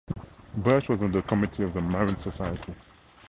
Birch was on the committee of The Marine Society.